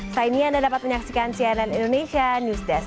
sini anda dapat menyaksikan cnn indonesia news desk